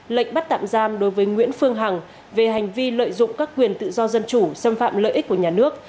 lệnh bắt tạm giam đối với nguyễn phương hằng về hành vi lợi dụng các quyền tự do dân chủ xâm phạm lợi ích của nhà nước